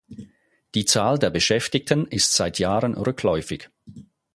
Die Zahl der Beschäftigten ist seit Jahren rückläufig.